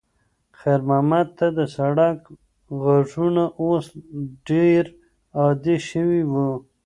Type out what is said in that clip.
خیر محمد ته د سړک غږونه اوس ډېر عادي شوي وو.